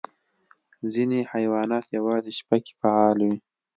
ځینې حیوانات یوازې شپه کې فعال وي.